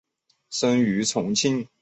出生于重庆。